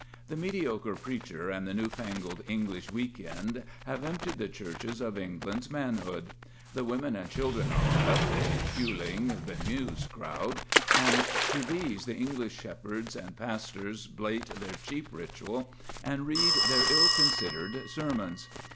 The mediocre preacher and the new fangled English week end have emptied the churches of England's manhood. The women and children are left, a puling, bemused crowd, and to these the English shepherds and pastors blate their cheap ritual and read their ill considered sermons.